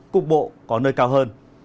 cục bộ có nơi cao hơn